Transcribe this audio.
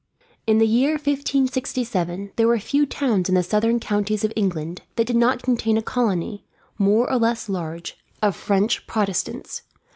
In the year 1567 there were few towns in the southern counties of England that did not contain a colony, more or less large, of French Protestants.